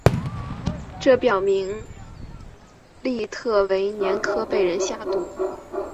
这表明利特维年科被人下毒。